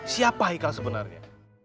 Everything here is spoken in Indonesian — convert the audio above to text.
siapa haikal sebenarnya